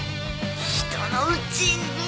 人のうちに。